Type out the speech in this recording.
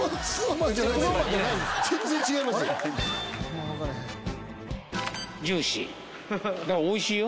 全然違いますよ